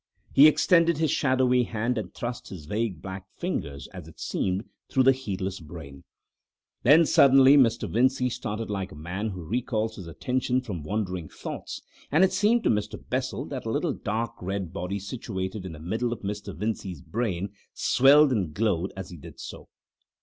He extended his shadowy hand and thrust his vague black fingers, as it seemed, through the heedless brain. Then, suddenly, Mr. Vincey started like a man who recalls his attention from wandering thoughts, and it seemed to Mr. Bessel that a little dark red body situated in the middle of Mr. Vincey's brain swelled and glowed as he did so.